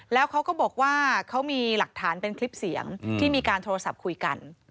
แล้วเขาก็บอกว่าเขามีหลักฐานเป็นคลิปเสียงที่มีการโทรศัพท์คุยกัน